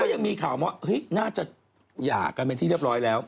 ยังมีข่าวว่าน่าจะหย่ากันเป็นที่เรียบร้อยแล้ว